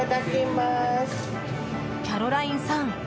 キャロラインさん